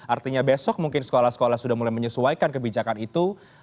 artinya besok mungkin sekolah sekolah sudah mulai menyesuaikan kebijakan itu